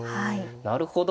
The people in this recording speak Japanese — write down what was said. なるほど。